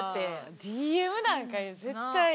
ＤＭなんか絶対。